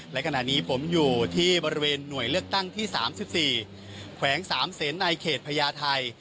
และขณะนี้ผมอยู่ที่บริเวณหน่วยเลือกตั้งที่๓๔แขวง๓เซนในเขตพญาไทย